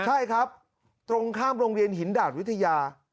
ใช่ครับตรงข้ามโรงเรียนหินดาดวิทยา